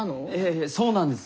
ええそうなんです。